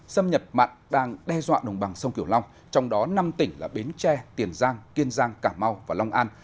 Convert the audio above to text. xâm nhập mặn đang đe dọa đồng bằng sông kiểu long trong đó năm tỉnh là bến tre tiền giang kiên giang cảm mau và long an